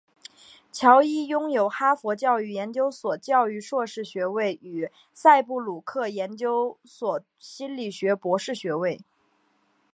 乔伊拥有哈佛教育研究所教育硕士学位与赛布鲁克研究所心理学博士学位。